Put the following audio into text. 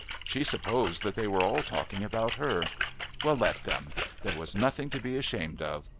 She supposed that they were all talking about her. Well, let them. There was nothing to be ashamed of.